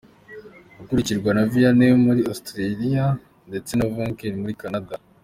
Ukurikirwa na Vienne muri Austria ndetse na Vancouver wo muri Canada.